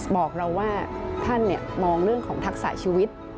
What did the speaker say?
บอกเราว่าท่านมองเรื่องของทักษะชีวิต